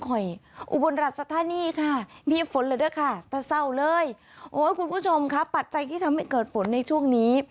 อุยรัชธานีค่ะมีฝนเลยด้วยค่ะแต่เศร้าเลยโอ้ยคุณผู้ชมค่ะปัจจัยที่ทำให้เกิดฝนในช่วงนี้